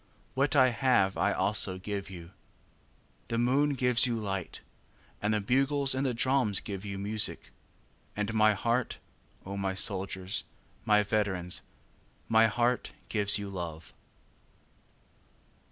What I have I also give you. 9. The moon gives you light, And the bugles and the drums give you music; And my heart, O my soldiers, my veterans, My heart gives you love.